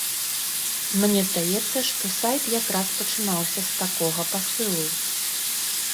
Мне здаецца, што сайт якраз пачынаўся з такога пасылу.